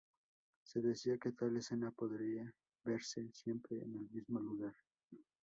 Se decía que tal escena podía verse siempre en el mismo lugar.